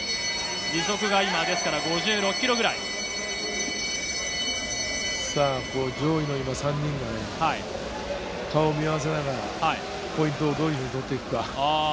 時速が今、さあ、上位の３人がね、顔見合わせながら、ポイントをどういうふうに取っていくか。